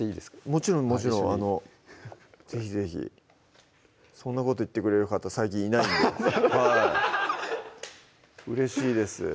もちろんもちろん是非是非そんなこと言ってくれる方最近いないんでうれしいです